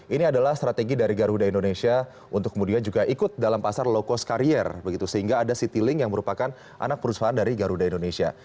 ini adalah strategi dari garuda indonesia untuk kemudian juga ikut dalam pasar low cost carrier begitu sehingga ada citylink yang merupakan anak perusahaan dari garuda indonesia